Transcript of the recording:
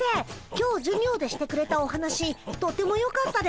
今日授業でしてくれたお話とてもよかったです。